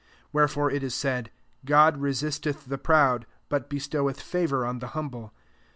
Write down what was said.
Wherefore it is said, " God resisteth the proud, but be stoweth favour on the humble."